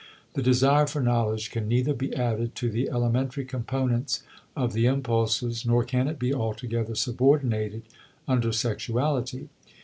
The desire for knowledge can neither be added to the elementary components of the impulses nor can it be altogether subordinated under sexuality.